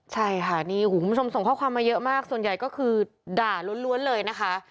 ใช่ค่ะนี่คุณผู้ชมส่งข้อความมาเยอะมากส่วนใหญ่ก็คือด่าล้วนเลยนะคะ